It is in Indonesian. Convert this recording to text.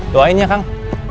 doain ya kang